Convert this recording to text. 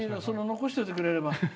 残しておいてくれれば。